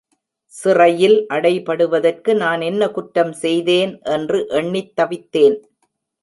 சிறையில் அடைபடுவதற்கு நான் என்ன குற்றம் செய்தேன் என்று எண்ணித் தவித்தேன்.